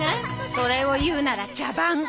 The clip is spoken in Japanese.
それを言うなら茶番。